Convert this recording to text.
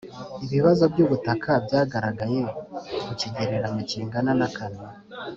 Ibibazo by ubutaka byagaragaye ku kigereranyo kingana nakane